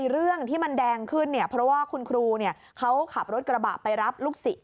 เรื่องที่มันแดงขึ้นเนี่ยเพราะว่าคุณครูเขาขับรถกระบะไปรับลูกศิษย